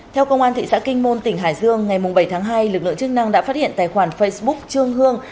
theo công an thị xã kinh môn tỉnh hải dương ngày bảy tháng hai lực lượng chức năng đã phát hiện tài khoản facebook trương hương